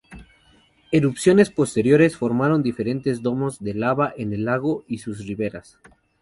Erupciones posteriores formaron diferentes domos de lava en el lago y en sus riberas.